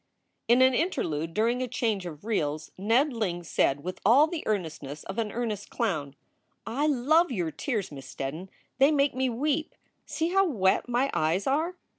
In an interlude during a change of reels Ned Ling said, with all the earnestness of an earnest clown : "I love your tears, Miss Steddon ! they make me weep. See how wet my eyes are!"